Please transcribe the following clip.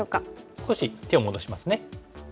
少し手を戻しますね。